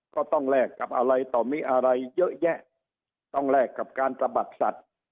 ก็ต้องแลกกับอะไรต่อมีอะไรเยอะแยะต้องแลกกับการสบัติศัตริย์